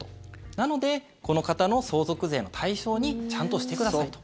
なので、この方の相続税の対象にちゃんとしてくださいと。